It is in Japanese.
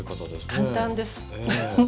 簡単です。